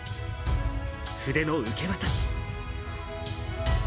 筆の受け渡し。